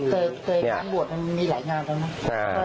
เจอการบวชมันมีหลายงานแล้วไหม